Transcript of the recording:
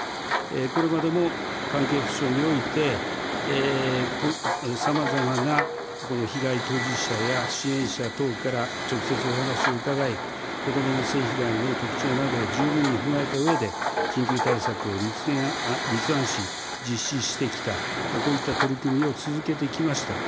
これまでも関係府省において、さまざまなこの被害当事者や、支援者等から直接お話を伺い、子どもの性被害の特徴などを十分に踏まえたうえで、緊急対策を立案し、実施してきた、こういった取り組みを続けてきました。